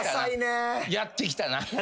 やってきたな。